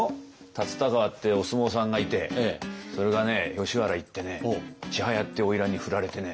龍田川ってお相撲さんがいてそれがね吉原行って千早っていうおいらんに振られてね